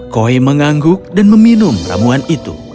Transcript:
koi mengangguk dan meminum ramuan itu